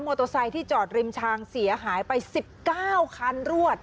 เตอร์ไซค์ที่จอดริมทางเสียหายไป๑๙คันรวด